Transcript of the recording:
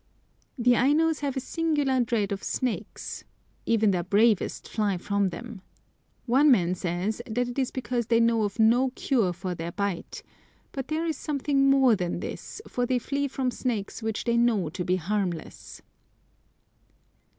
The Ainos have a singular dread of snakes. Even their bravest fly from them. One man says that it is because they know of no cure for their bite; but there is something more than this, for they flee from snakes which they know to be harmless.